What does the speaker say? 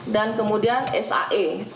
dan kemudian sae